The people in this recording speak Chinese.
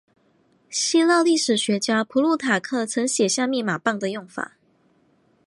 希腊历史学家普鲁塔克曾写下密码棒的用法。